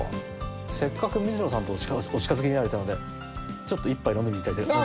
せっかく水野さんとお近づきになれたのでちょっと一杯飲みに行ったり。